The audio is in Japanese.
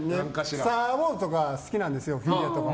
「スター・ウォーズ」とか好きなんですよ、フィギュアとか。